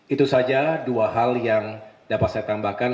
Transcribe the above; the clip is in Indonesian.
itu saja dua hal yang dapat saya tambahkan